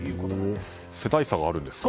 世代差があるんですか？